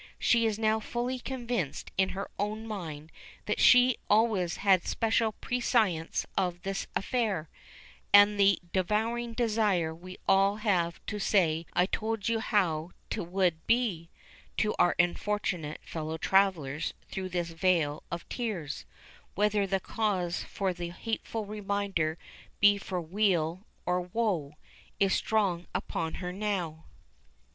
She is now fully convinced in her own mind that she had always had special prescience of this affair, and the devouring desire we all have to say "I told you how 'twould be" to our unfortunate fellow travellers through this vale of tears, whether the cause for the hateful reminder be for weal or woe, is strong upon her now.